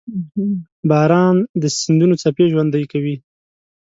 • باران د سیندونو څپې ژوندۍ کوي.